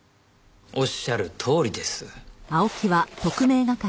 おっしゃるとおりです。